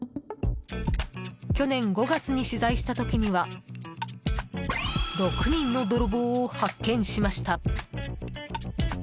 去年５月に取材した時には６人の泥棒を発見しました。